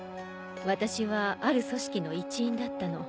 私はある組織の一員だったの。